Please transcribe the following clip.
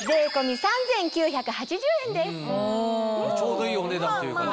ちょうどいいお値段というかね。